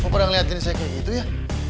kok kadang liatin saya kayak gitu ya